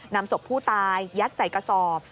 นำศพผู้ตายยัดใส่กระสอบ